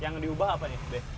yang diubah apa ini babe